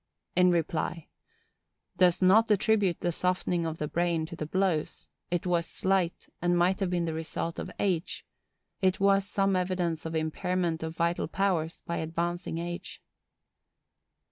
In reply.—Does not attribute the softening of the brain to the blows; it was slight, and might have been the result of age; it was some evidence of impairment of vital powers by advancing age.